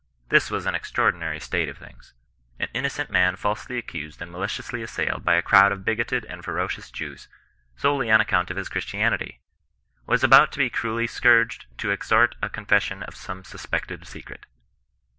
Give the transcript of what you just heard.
This was an extraordinary state of things. An innocent man falsely accused and maliciously assailed by a crowd of bigoted and ferocious Jews, solely on ac count of his Christianity, was about to be cruelly scourged, to extort a confession of some suspected secret.